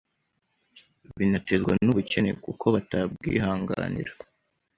Binaterwa n'ubukene kuko batabwihanganira